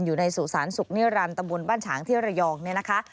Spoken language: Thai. อยู่ในสู่สารศุกร์เนื้อรันตมบลบ้านฉางที่ระยองเนี่ยนะคะ